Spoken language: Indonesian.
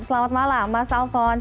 selamat malam mas alphonse